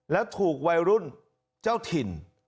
และถูกวัยรุ่นเจ้าถิ่น